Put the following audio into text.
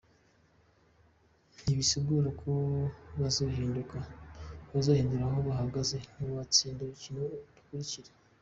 Ntibisigura ko bazohindura aho bahagaze nitwatsinda urukino rukurikira".